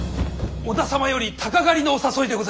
織田様より鷹狩りのお誘いでございます。